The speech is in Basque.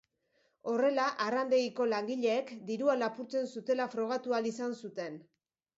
Horrela, arrandegiko langileek dirua lapurtzen zutela frogatu ahal izan zuten.